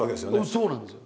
そうなんですよ。